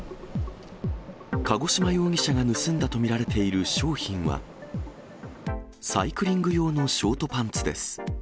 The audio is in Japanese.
鹿児島容疑者が盗んだと見られている商品は、サイクリング用のショートパンツです。